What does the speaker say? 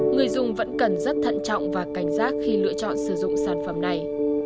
người dùng vẫn cần rất thận trọng và cảnh giác khi lựa chọn sử dụng sản phẩm này